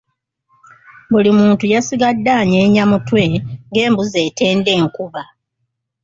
Buli muntu yasigadde anyeenya mutwe ng’embuzi etenda enkuba.